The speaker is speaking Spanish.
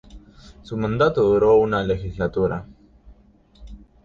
Su mandato duró una legislatura.